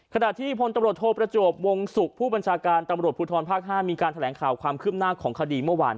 ขณะที่พลตำรวจโทประจวบวงศุกร์ผู้บัญชาการตำรวจภูทรภาค๕มีการแถลงข่าวความคืบหน้าของคดีเมื่อวาน